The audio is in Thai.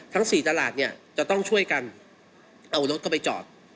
ทั้ง๔ตลาดจะต้องช่วยกันเอารถเข้าไปจอด